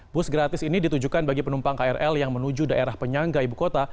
bus gratis ini ditujukan bagi penumpang krl yang menuju daerah penyangga ibu kota